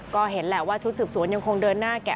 ก็เห็นแหละว่าชุดสืบสวนยังคงเดินหน้าแกะ